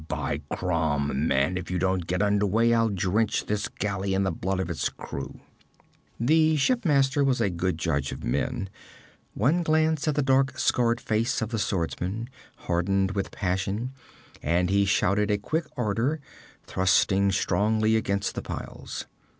'By Crom, man, if you don't get under way, I'll drench this galley in the blood of its crew!' The shipmaster was a good judge of men. One glance at the dark scarred face of the swordsman, hardened with passion, and he shouted a quick order, thrusting strongly against the piles.